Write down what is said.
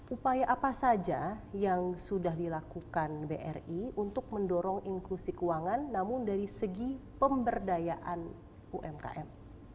upaya apa saja yang sudah dilakukan bri untuk mendorong inklusi keuangan namun dari segi pemberdayaan umkm